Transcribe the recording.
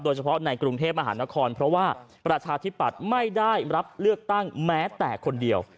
เฉพาะในกรุงเทพมหานครเพราะว่าประชาธิปัตย์ไม่ได้รับเลือกตั้งแม้แต่คนเดียว